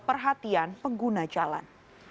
perhatian pengguna jalan